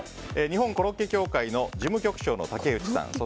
日本コロッケ協会の事務局長の竹内さん